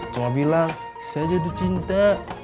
cuma bilang saya jadi cinta